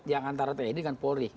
yang antara tni dan polri